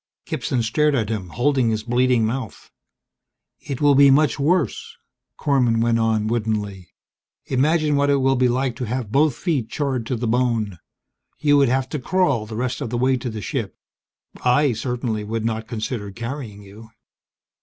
Gibson stared at him, holding his bleeding mouth. "It will be much worse," Korman went on woodenly. "Imagine what it will be like to have both feet charred to the bone. You would have to crawl the rest of the way to the ship; I certainly would not consider carrying you!"